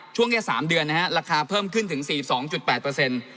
ช่วงแค่สามเดือนนะฮะราคาเพิ่มขึ้นถึงสี่สิบสองจุดแปดเปอร์เซ็นต์